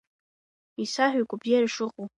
Исаҳәа игәабзиара шыҟоу!